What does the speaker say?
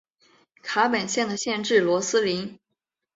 卡本县的县治罗林斯。